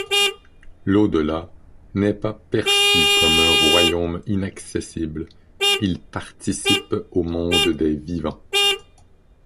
L'au-delà n'est pas perçu comme un royaume inaccessible, il participe au monde des vivants.